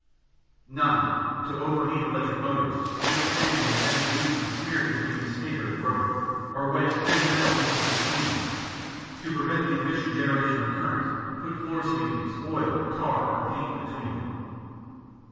(9) To overheat electric motors, mix sand with heavy grease and smear it between the stator and rotor, or wedge thin metal pieces between them. To prevent the efficient generation of current, put floor sweepings, oil, tar, or paint between them.